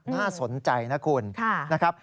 น่าสนใจนะคุณนะครับโดยบอกว่าค่ะ